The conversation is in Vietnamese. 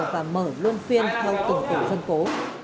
và mở luôn phiên theo tổng cụ dân cố